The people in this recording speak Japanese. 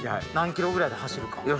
何キロぐらいで走るか。